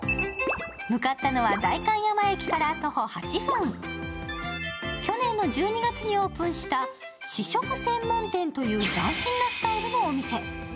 向かったのは代官山駅から徒歩８分去年の１２月にオープンした試食専門店という斬新なスタイルのお店。